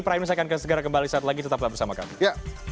prime news akan segera kembali saat lagi tetaplah bersama kami